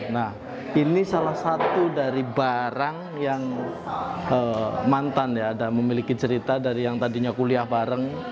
nah ini salah satu dari barang yang mantan ya ada memiliki cerita dari yang tadinya kuliah bareng